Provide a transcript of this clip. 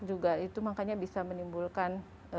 juga itu makanya bisa menimbulkan